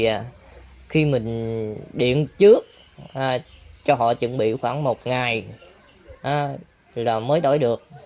và khi mình điện trước cho họ chuẩn bị khoảng một ngày là mới đổi được